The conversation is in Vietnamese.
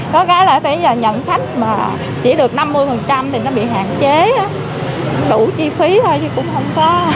có cái là bây giờ nhận khách mà chỉ được năm mươi thì nó bị hạn chế á đủ chi phí thôi chứ cũng không có